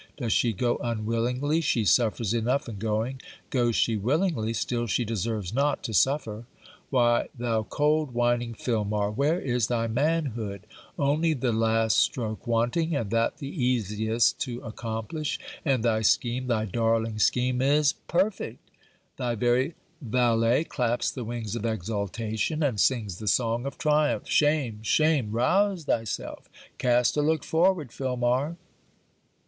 Does she go unwillingly, she suffers enough in going; goes she willingly, still she deserves not to suffer. Why, thou cold whining Filmar, where is thy manhood? Only the last stroke wanting, and that the easiest to accomplish, and thy scheme thy darling scheme is perfect. Thy very valet claps the wings of exultation, and sings the song of triumph! Shame! shame! Rouse thyself! cast a look forward, Filmar!